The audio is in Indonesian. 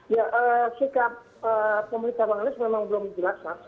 ya sikap pemerintah banglades memang belum jelas mas